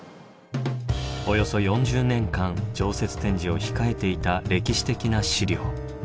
およそ４０年間常設展示を控えていた歴史的な資料。